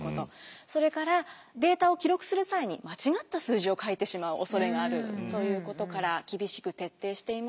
それからデータを記録する際に間違った数字を書いてしまうおそれがあるということから厳しく徹底していました。